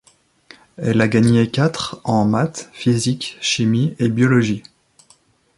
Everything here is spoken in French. Elle a gagné quatre en maths, physique, chimie et biologie.